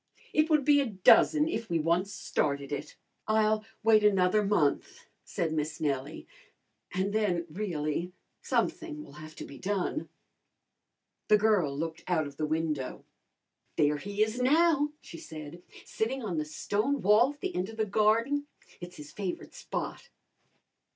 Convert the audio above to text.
"It would be a dozen, if we once started it." "I'll wait another month," said Miss Nellie, "and then, really, something will have to be done." The girl looked out of the window. "There he is now," she said, "sitting on the stone wall at the end of the garden. It's his favourite spot."